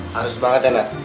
harus banget ya nat